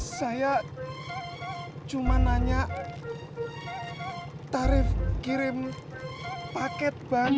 saya cuma nanya tarif kirim paket ban